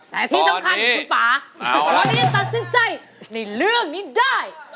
แต่ที่สำคัญคุณป่าตอนนี้ยังตัดสินใจในเรื่องนี้ได้